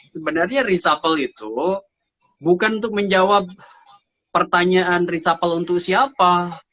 sebenarnya reshuffle itu bukan untuk menjawab pertanyaan reshuffle untuk siapa